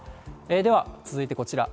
では、続いてこちら。